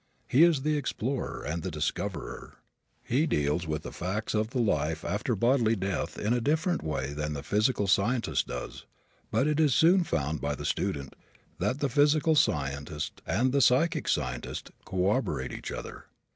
He is the explorer and discoverer. He deals with the facts of the life after bodily death in a different way than the physical scientist does but it is soon found by the student that the physical scientist and the psychic scientist corroborate each other.